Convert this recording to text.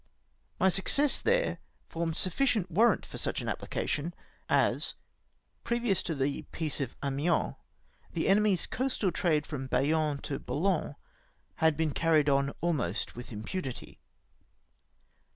My success there formed sufficient warrant for such an apphcation, as, previous to the Peace of Amiens, the enemy's coasting trade from Bayonne to Boulogne had been carried on almost with impunity.